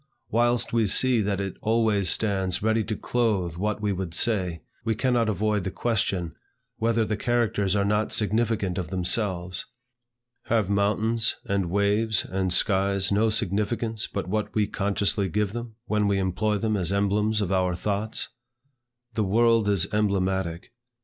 Whilst we see that it always stands ready to clothe what we would say, we cannot avoid the question, whether the characters are not significant of themselves. Have mountains, and waves, and skies, no significance but what we consciously give them, when we employ them as emblems of our thoughts? The world is emblematic.